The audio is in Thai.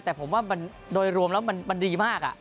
แต่ผมว่าโดยรวมแล้วมันดีมาก